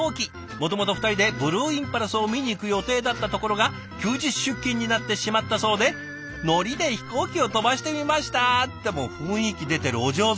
もともと２人でブルーインパルスを見に行く予定だったところが休日出勤になってしまったそうで「のりで飛行機を飛ばしてみました」って雰囲気出てるお上手！